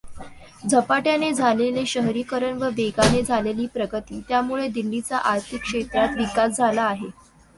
झपाट्याने झालेले शहरीकरण व वेगाने झालेली प्रगती त्यामुळे दिल्लीचा आर्थिक क्षेत्रात विकास झाला आहे.